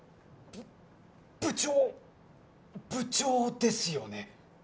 ぶ部長部長ですよね